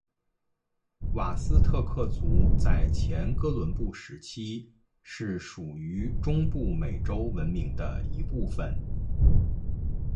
瓦斯特克族在前哥伦布时期是属于中部美洲文明的一部份。